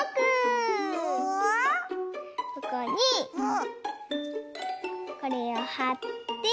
ここにこれをはって。